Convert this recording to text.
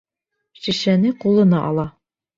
Шешәне ҡулына ала.